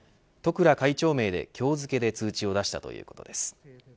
十倉会長名で今日付で通知を出したということです。